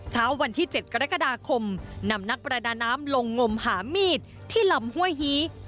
เช้าวันที่๗กรกฎาคมนำนักประดาน้ำลงงมหามีดที่ลำห้วยฮี